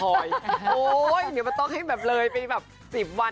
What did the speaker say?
โอ้โหเดี๋ยวมันต้องให้แบบเลยไปแบบ๑๐วัน